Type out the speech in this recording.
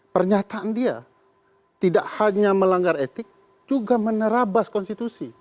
pernyataan dia tidak hanya melanggar etik juga menerabas konstitusi